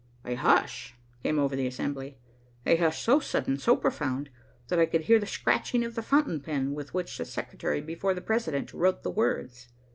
A hush came over the assembly, a hush so sudden, so profound, that I could hear the scratching of the fountain pen with which the secretary before the president wrote the words.